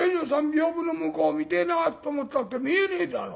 屏風の向こう見てえなと思ったって見えねえだろ。